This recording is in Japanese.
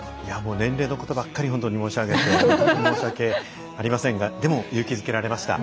年齢のことばっかり申し上げて申し訳ありませんがでも勇気づけられました。